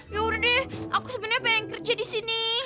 ya udah deh aku sebenarnya pengen kerja di sini